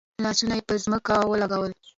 لاسونه یې پر ځمکه ولګول.